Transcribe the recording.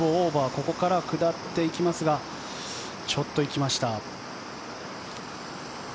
ここから下っていきますがちょっと行きました。